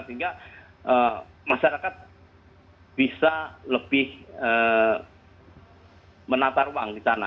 sehingga masyarakat bisa lebih menata ruang di sana